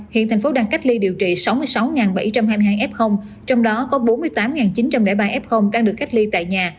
hiện thành phố đang cách ly điều trị sáu mươi sáu bảy trăm hai mươi hai f trong đó có bốn mươi tám chín trăm linh ba f đang được cách ly tại nhà